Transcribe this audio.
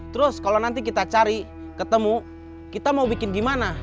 terus kalau nanti kita cari ketemu kita mau bikin gimana